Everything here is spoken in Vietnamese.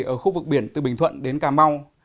ở khu vực biển từ bình thuận đến cà mau